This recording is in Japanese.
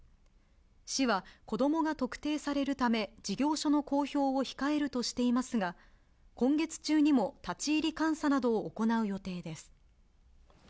市は、子どもが特定されるため、事業所の公表を控えるとしていますが、今月中にも立ち入り監査などを行う予定です。